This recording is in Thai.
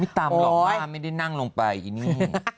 ไม่ตามหรอกว่าไม่ได้นั่งลงไปอีนี่